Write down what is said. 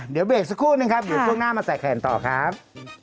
เดี๋ยวเบรกสักครู่หนึ่งครับ